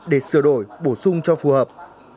để sửa đổi bổ sung cho phù hợp